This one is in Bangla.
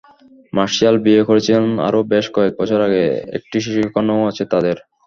মার্শিয়াল বিয়ে করেছিলেন আরও বেশ কয়েক বছর আগে, একটি শিশুকন্যাও আছে তাঁদের।